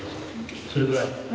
それぐらい。